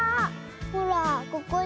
ほらここに。